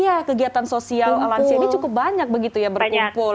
iya kegiatan sosial lansia ini cukup banyak begitu ya berkumpul